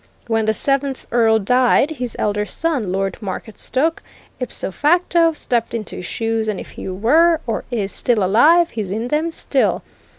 When the seventh Earl died, his elder son, Lord Marketstoke, ipso facto, stepped into his shoes, and if he were, or is, still alive, he's in them still.